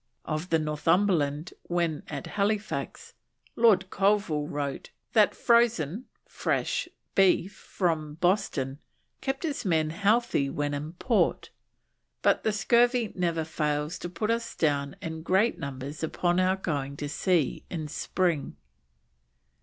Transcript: Of the Northumberland when at Halifax, Lord Colville wrote that frozen (fresh) beef from Boston kept his men healthy when in port, "but the scurvy never fails to pull us down in great numbers upon our going to sea in spring."